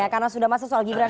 karena sudah masuk ke soal gibran